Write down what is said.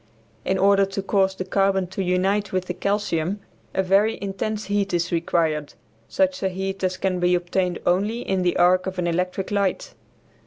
In order to cause the carbon to unite with the calcium a very intense heat is required, such a heat as can be obtained only in the arc of an electric light.